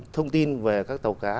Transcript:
thông tin về các tàu cá